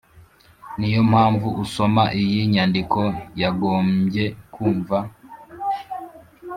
niyompamvu, usoma iyi nyandiko yagombye kumva